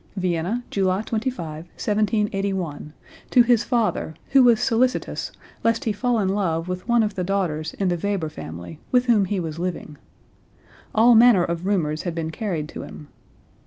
(Vienna, July 25, 1781, to his father, who was solicitous lest he fall in love with one of the daughters in the Weber family with whom he was living. All manner of rumors had been carried to him.